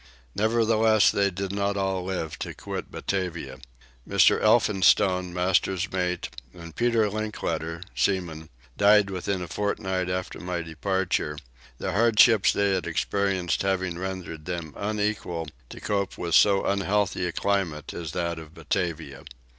Nevertheless they did not all live to quit Batavia. Mr. Elphinstone, master's mate, and Peter Linkletter, seaman, died within a fortnight after my departure, the hardships they had experienced having rendered them unequal to cope with so unhealthy a climate as that of Batavia.